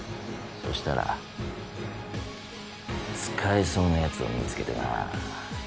そしたら使えそうなやつを見つけてな。